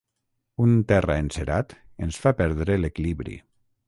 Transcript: Un terra encerat ens fa perdre l'equilibri.